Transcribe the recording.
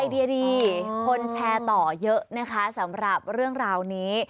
เดียดีคนแชร์ต่อเยอะนะคะสำหรับเรื่องราวนี้